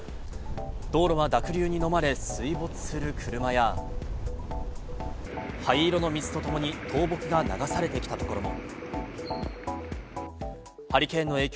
道路は濁流にのまれ、水没する車や、灰色の水とともに倒木が流されてきたところも。